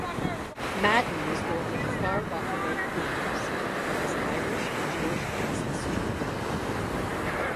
Madden was born in Far Rockaway, Queens, and has Irish and Jewish ancestry.